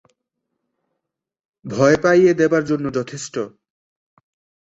ভয় পাইয়ে দেবার জন্য যথেষ্ট।